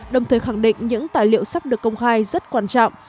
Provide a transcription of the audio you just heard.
đồng thời khẳng định những tài liệu sắp được công khai rất quan trọng